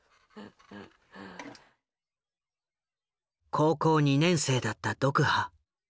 高校２年生だったドクハ。